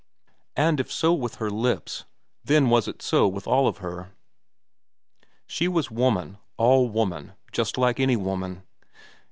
And if so with her lips, then was it so with all of her. She was woman, all woman, just like any woman.